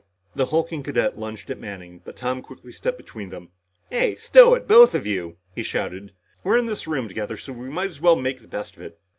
The hulking cadet lunged at Manning, but Tom quickly stepped between them. "Stow it, both of you!" he shouted. "We're in this room together, so we might as well make the best of it."